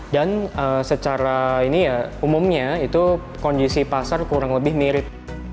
dan secara ini ya hardly ya umumnya itu kondisi pasar kurang lebih mirip